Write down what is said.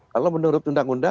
kalau menurut undang undang